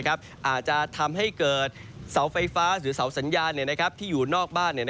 อาจจะทำให้เกิดเสาไฟฟ้าหรือเสาสัญญาณที่อยู่นอกบ้าน